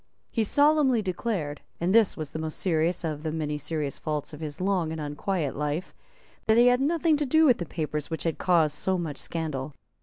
He solemnly declared, and this was the most serious of the many serious faults of his long and unquiet life, that he had nothing to do with the papers which had caused so much scandal.